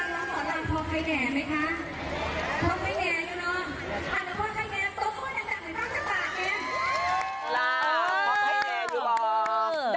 ปากไม่แนียอยู่นอนอันพวกแค่แน้นสกดกลังจะเตียง